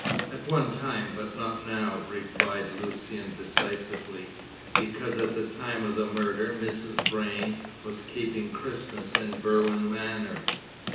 "At one time, but not now," replied Lucian decisively, "because at the time of the murder Mrs. Vrain was keeping Christmas in Berwin Manor."